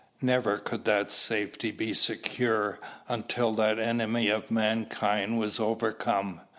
Never could that safety be secured until that enemy of mankind was overcome.